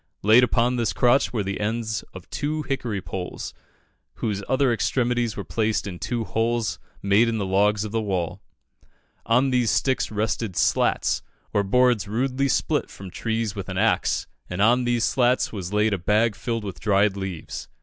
Laid upon this crotch were the ends of two hickory poles, whose other extremities were placed in two holes made in the logs of the wall. On these sticks rested "slats," or boards rudely split from trees with an axe, and on these slats was laid a bag filled with dried leaves.